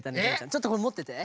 ちょっとこれもってて。